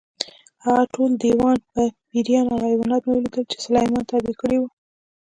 هغه ټول دیوان، پېریان او حیوانات مې ولیدل چې سلیمان تابع کړي وو.